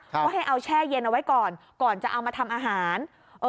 ก็ให้เอาแช่เย็นเอาไว้ก่อนก่อนจะเอามาทำอาหาร